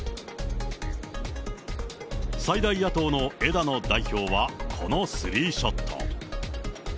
最大野党の枝野代表は、このスリーショット。